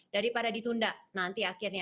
daripada ditunda nanti akhirnya